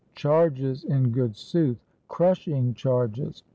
Charges, in good sooth! crushing charges!